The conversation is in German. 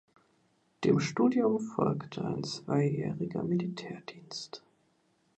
Dem Studium folgte ein zweijähriger Militärdienst.